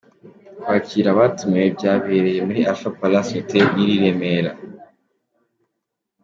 Kwakira abatumiwe byabereye muri Alpha Palace Hotel iri i Remera.